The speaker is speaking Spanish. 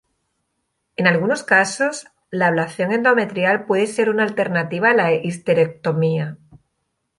En algunos casos, la ablación endometrial puede ser una alternativa a la histerectomía.